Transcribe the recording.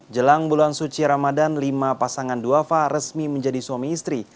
jelang bulan suci ramadan lima pasangan duafa resmi menjadi suami istri